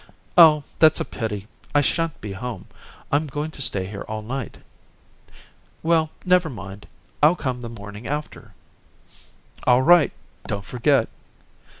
"Oh, that's a pity. I shan't be home. I'm going to stay here all night." "Well, never mind. I'll come the morning after." "All right, don't forget."